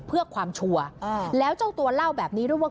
เพื่อความชัวร์แล้วเจ้าตัวเล่าแบบนี้ด้วยว่า